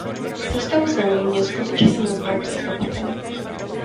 Cestou sem mě skutečně nazval psychopatem.